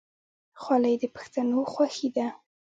خولۍ د پښتنو خوښي ده.